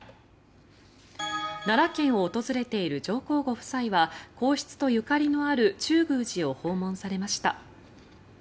奈良県を訪れている上皇ご夫妻は皇室とゆかりのある中宮寺を訪問されました。